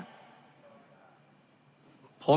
แต่ตามกฎหมายที่เสนอนี้ครับท่านประธานที่เสนอแก้กันเนี้ย